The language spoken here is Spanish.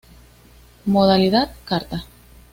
Modalidad: carta.